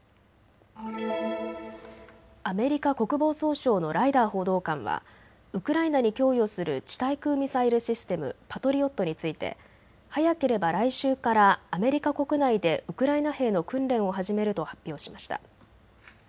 アメリカ国防総省のライダー報道官はウクライナに供与する地対空ミサイルシステム、パトリオットについて早ければ来週からアメリカ国内でウクライナ兵の訓練を始めると発表しました。